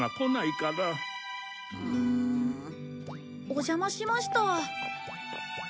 お邪魔しました。